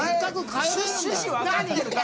趣旨わかってるか？